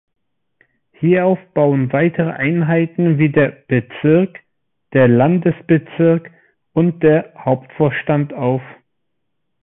Hierauf bauen weitere Einheiten wie der "Bezirk", der "Landesbezirk" und der "Hauptvorstand" auf.